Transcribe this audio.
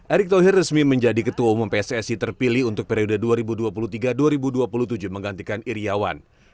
erick thohir resmi menjadi ketua umum pssi terpilih untuk periode dua ribu dua puluh tiga dua ribu dua puluh tujuh menggantikan iryawan